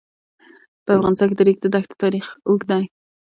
په افغانستان کې د د ریګ دښتې تاریخ اوږد دی.